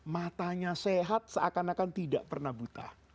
matanya sehat seakan akan tidak pernah buta